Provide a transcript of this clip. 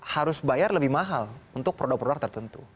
harus bayar lebih mahal untuk produk produk tertentu